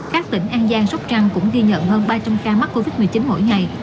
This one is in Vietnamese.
các tỉnh an giang sóc trăng cũng ghi nhận hơn ba trăm linh ca mắc covid một mươi chín mỗi ngày